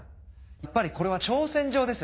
やっぱりこれは挑戦状です。